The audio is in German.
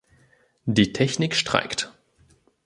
Die Technik streikt.